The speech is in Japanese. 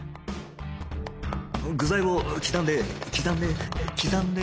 具材を刻んで刻んで刻んで